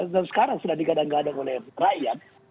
dan sekarang sudah digadang gadang oleh rakyat